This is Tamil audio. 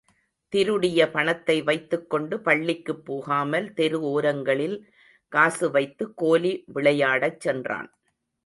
திருடிய பணத்தை வைத்துக் கொண்டு பள்ளிக்குப் போகாமல் தெரு ஓரங்களில் காசு வைத்து கோலி விளையாடச் சென்றான்.